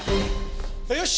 よし！